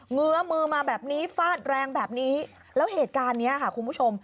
เงื้อมือมาแบบนี้ฟาดแรงแบบนี้แล้วเหตุการณ์เนี้ยค่ะคุณผู้ชม